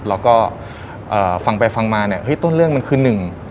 แล้วก็เอ่อฟังไปฟังมาเนี่ยเฮ้ยต้นเรื่องมันคือหนึ่ง